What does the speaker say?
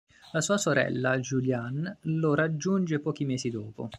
La sua sorella Julianne lo raggiunge pochi mesi dopo.